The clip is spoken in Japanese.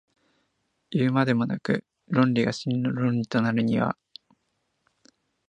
いうまでもなく、論理が真の論理となるには、ミトス的なものは否定せられて行かなければならない。